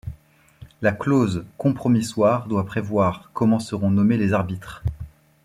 La clause compromissoire doit prévoir comment seront nommés les arbitres.